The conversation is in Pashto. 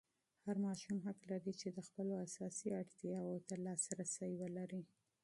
هر ماشوم حق لري چې د خپلو اساسي اړتیاوو ته لاسرسی ولري.